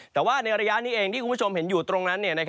แต่ว่าในระยะนี้เองที่คุณผู้ชมเห็นอยู่ตรงนั้น